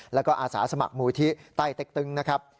แล้วก็อาสาสมัครมูลที่ใต้เต็กตึงนะครับ